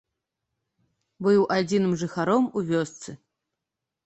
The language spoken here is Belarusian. Быў адзіным жыхаром у вёсцы.